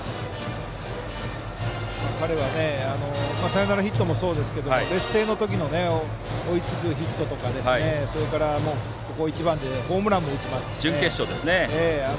彼はサヨナラヒットもそうですが劣勢の時の追いつくヒットとかそれからここ一番でホームランも打ちますよね。